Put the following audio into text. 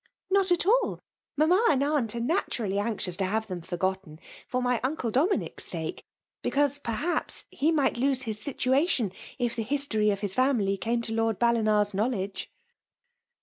*'Not at dl. Mamma and aunt are natu vally anxious to bare them forgotten, for mj nude DominidLB sake ; because^ perhaps, he might lose his situation, if the hktory of his finuly easne to Lord Ballini's knowledge."